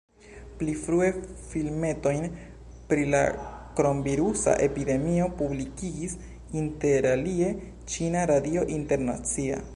Pli frue filmetojn pri la kronvirusa epidemio publikigis interalie Ĉina Radio Internacia.